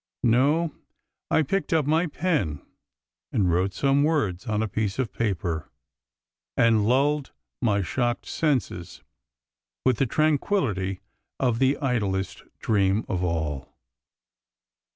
No ; I picked up my pen and wrote some words on a piece of paper, and lulled my shocked senses with the tran quillity of the idlest dream of all.